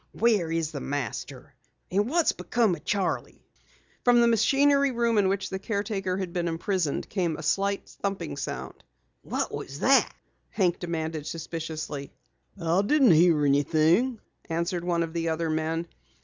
"Where is the Master? And what's become of Charley?" From the machinery room in which the caretaker had been imprisoned came a slight thumping sound. "What was that?" Hank demanded suspiciously. "I didn't hear anything," answered one of the other men.